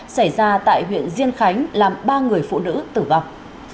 xảy ra tại huyện diên khánh làm ba người phụ nữ tử vong